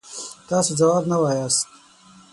تاسو ځواب نه وایاست.